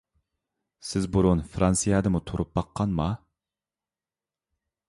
سىز بۇرۇن فىرانسىيەدىمۇ تۇرۇپ باققانما؟